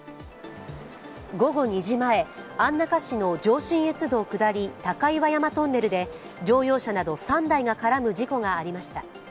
午後２時前、安中市の上信越道下り高岩山トンネルで乗用車など３台が絡む事故がありました。